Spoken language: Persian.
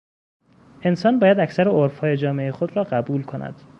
انسان باید اکثر عرفهای جامعهی خود را قبول کند.